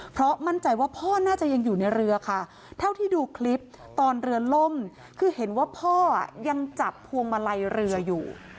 เพราะมั่นใจว่าพ่อน่าจะยังอยู่ในเรือค่ะเท่าที่ดูคลิปตอนเรือล่มคือเห็นว่าพ่อยังจับพวงมาลัยเรืออยู่